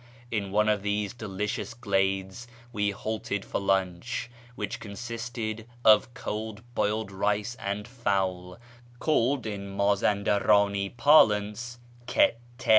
In one of these delicious glades we halted for lunch, which consisted of cold boiled rice and fowl, called in Mazandardni parlance " ketU."